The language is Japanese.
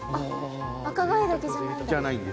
赤貝だけじゃないんだ。